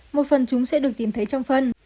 một phần chúng sẽ được tìm thấy trong phân